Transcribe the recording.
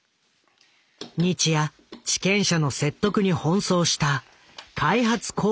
日夜地権者の説得に奔走した開発公社の職員。